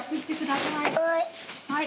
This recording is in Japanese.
はい。